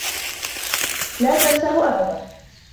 لا تنسه أبدا.